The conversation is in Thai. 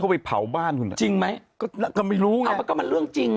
เข้าไปเผาบ้านคุณจริงไหมก็ก็ไม่รู้อ่ะก็มันเรื่องจริง